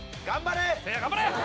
頑張れ！